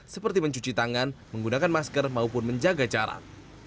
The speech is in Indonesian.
seperti mencuci tangan menggunakan masker maupun menjaga jarak